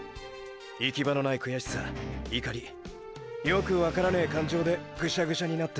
行き場のない悔しさ怒りよくわからねェ感情でぐしゃぐしゃになってた。